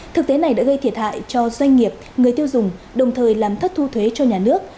thực tế này đã gây thiệt hại cho doanh nghiệp người tiêu dùng đồng thời làm thất thu thuế cho nhà nước